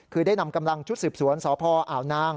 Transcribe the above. คือได้นำกำลังชุดสืบสวนสพอ่าวนาง